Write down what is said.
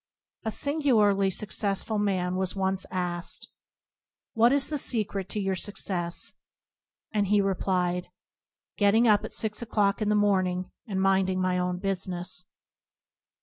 A singularly successful man was once asked, "What is the secret of your success?" and he replied, "Getting up at six o'clock in the morning, and minding my own business."